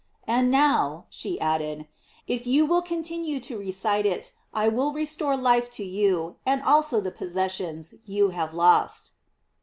And now," she added, "if you will continue to recite it, I wiJl restore life to you, and also the possessions you have lost."